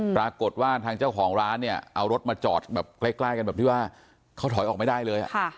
ปรากฏว่าทางเจ้าของร้านเนี่ยเอารถมาจอดแบบใกล้กันแบบที่ว่าเขาถอยออกไม่ได้เลย